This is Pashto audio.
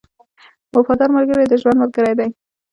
• وفادار ملګری د ژوند ملګری دی.